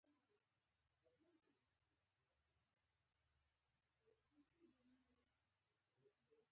بیا دې د بغداد په ښار کې وګرځوي.